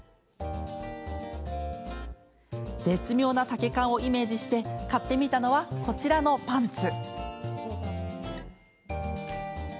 絶妙な丈感をイメージして買ってみたのは、こちらのパンツ。